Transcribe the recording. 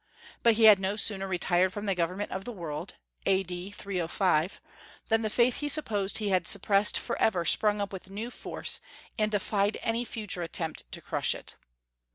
But he had no sooner retired from the government of the world (A.D. 305) than the faith he supposed he had suppressed forever sprung up with new force, and defied any future attempt to crush it.